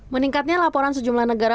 meningkatnya laporan sejumlah negara